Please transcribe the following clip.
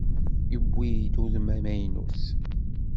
Yewwi udem amaynut.